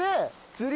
釣り！